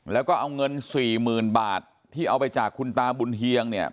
แล้วก็เอาเงินสี่หมื่นบาทที่เอาไปจากคุณตาบุญเฮียงเนี่ย